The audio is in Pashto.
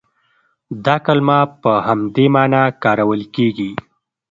دا کلمه په همدې معنا کارول کېږي.